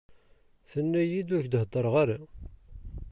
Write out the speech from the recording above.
Tenna-iyi-d ur k-d-heddreɣ ara.